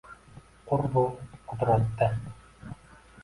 Qurbu qudratda